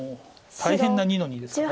大変な２の二ですから。